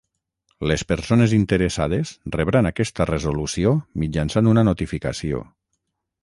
Les persones interessades rebran aquesta resolució mitjançant una notificació.